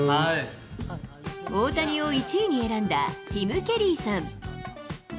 大谷を１位に選んだティム・ケリーさん。